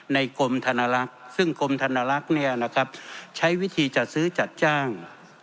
กรมธนลักษณ์ซึ่งกรมธนลักษณ์ใช้วิธีจัดซื้อจัดจ้าง